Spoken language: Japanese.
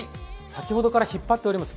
先ほどから引っ張っております